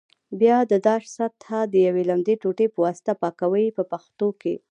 بیا د داش سطحه د یوې لمدې ټوټې په واسطه پاکوي په پښتو کې.